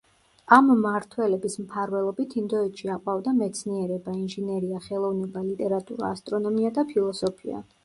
ამ მმართველების მფარველობით ინდოეთში აყვავდა მეცნიერება, ინჟინერია, ხელოვნება, ლიტერატურა, ასტრონომია და ფილოსოფია.